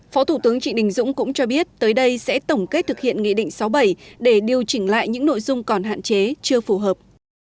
phó thủ tướng trịnh đình dũng cũng cho biết tới đây sẽ tổng kết thực hiện nghị định sáu bảy để điều chỉnh lại những nội dung còn hạn chế chưa phù hợp